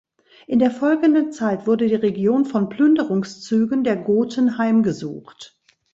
In der folgenden Zeit wurde die Region von Plünderungszügen der Goten heimgesucht.